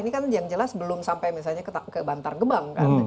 ini kan yang jelas belum sampai misalnya ke bantar gebang kan